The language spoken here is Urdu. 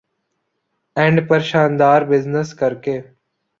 اینڈ پر شاندار بزنس کرکے